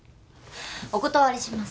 お断りします。